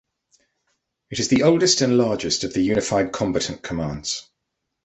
It is the oldest and largest of the unified combatant commands.